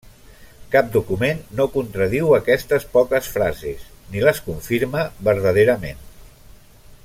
Cap document no contradiu aquestes poques frases, ni les confirma verdaderament.